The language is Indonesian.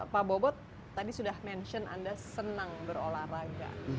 pak bobot tadi sudah mention anda senang berolahraga